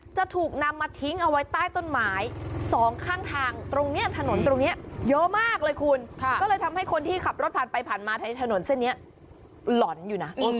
จะถูกนำมาทิ้งเอาไว้ใต้ต้นไม้สองข้างทางตรงนี้ถนนตรงนี้เยอะมากเลยคุณก็เลยทำให้คนที่ขับรถผ่านไปผ่านมาถนนเส้นนี้หล่อนอยู่นะ